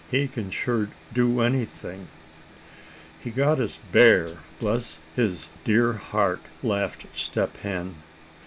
He can sure do anything!" "He got his bear, bless his dear old heart," laughed Step Hen.